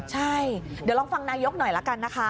ใช่เดี๋ยวลองฟังนายกหน่อยละกันนะคะ